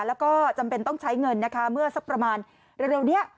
แล้วก็จำเป็นต้องใช้เงินนะคะเมื่อสักประมาณเร็วนี้